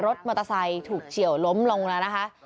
รถมอเธอทรายถูกเฉี่ยวล้มลงแล้วนะคะ